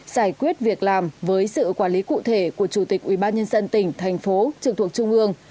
giải quyết việc làm với sự quản lý cụ thể của chủ tịch ubnd tỉnh thành phố trực thuộc trung ương